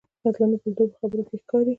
اسلامي کلتور په خبرو کې ښکاري.